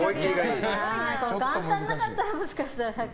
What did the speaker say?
眼帯なかったらもしかしたら。